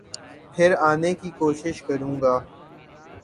پھر آنے کی کوشش کروں گا۔